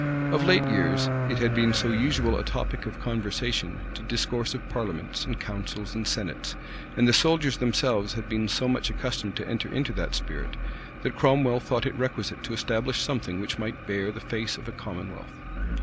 Of late years, it had been so usual a topic of conversation to discourse of parliaments, and councils, and senates, and the soldiers themselves had been so much accustomed to enter into that spirit, that Cromwell thought it requisite to establish something which might bear the face of a commonwealth.